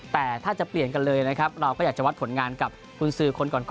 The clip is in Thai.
แต่ถ้าจะเปลี่ยนกันเลยนะครับเราก็อยากจะวัดผลงานกับคุณสือคนก่อน